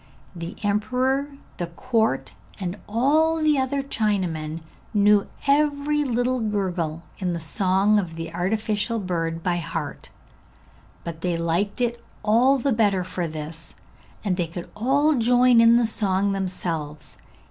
The emperor, the court, and all the other Chinamen knew every little gurgle in the song of the artificial bird by heart; but they liked it all the better for this, and they could all join in the song themselves.